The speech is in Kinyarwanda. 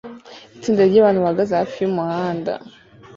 Itsinda ryabantu bahagaze hafi yumuhanda